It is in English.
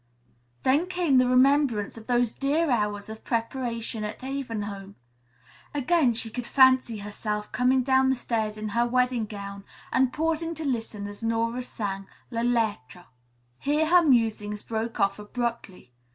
Then came the remembrance of those dear hours of preparation at Haven Home. Again she could fancy herself coming down the stairs in her wedding gown and pausing to listen as Nora sang "La Lettre." Here her musings broke off abruptly.